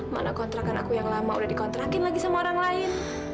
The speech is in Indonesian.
mana kontrakan aku yang lama udah dikontrakin lagi sama orang lain